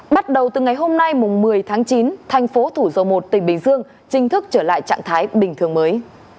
bắt đầu từ ngày hôm nay một mươi tháng chín thành phố thủ dầu một tỉnh bình dương chính thức trở lại trạng thái bình thường mới